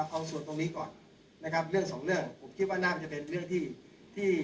เอาส่วนตรงนี้ก่อนนะครับเรื่องสองเรื่องผมคิดว่าน่าจะเป็นเรื่องที่ที่